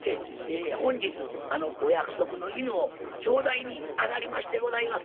本日お約束の犬を頂戴に上がりましてございます。